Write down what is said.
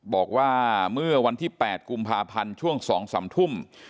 บอกว่าเมื่อวันที่๘กุมภาพันธ์ช่วง๒๓ทุ่ม